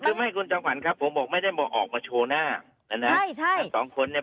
ไม่คุณจำขวัญครับผมบอกไม่ได้มาออกมาโชว์หน้านะใช่ใช่ทั้งสองคนเนี่ย